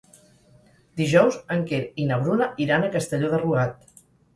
Dijous en Quer i na Bruna iran a Castelló de Rugat.